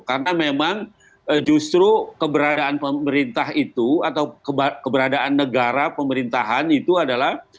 karena memang justru keberadaan pemerintah itu atau keberadaan negara pemerintahan itu adalah